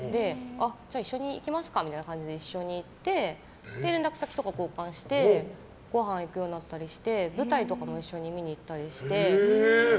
じゃあいっしょに行きますかみたいな感じで一緒に行ってで、連絡先とか交換してごはん行くようになったりして舞台とかも一緒に見に行ったりして。